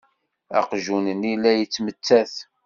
Aqjun-nni la yettmettat.